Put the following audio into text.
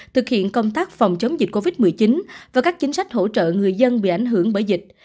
thực hiện công tác phòng chống dịch covid một mươi chín và các chính sách hỗ trợ người dân bị ảnh hưởng bởi dịch